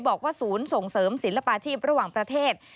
บอกว่าศูนย์ส่งเสริมศิลปาชีพระหว่างประเทศ